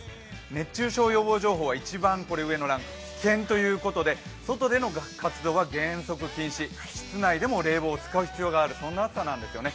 熱中症予防情報が一番上のランク、危険ということで外での活動は原則禁止、室内でも冷房を使う必要がある、そんな暑さなんですよね。